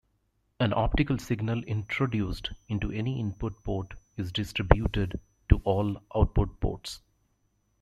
An optical signal introduced into any input port is distributed to all output ports.